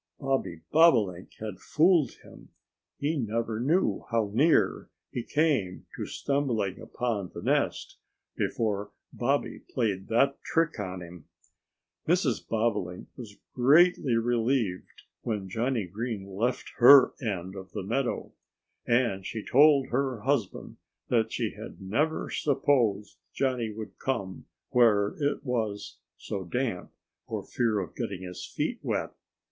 Bobby Bobolink had fooled him. He never knew how near he came to stumbling upon the nest, before Bobby played that trick on him. Mrs. Bobolink was greatly relieved when Johnnie Green left her end of the meadow. And she told her husband that she had never supposed Johnnie would come where it was so damp, for fear of getting his feet wet.